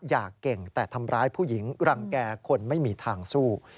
เก่งแต่ทำร้ายผู้หญิงรังแก่คนไม่มีทางสู้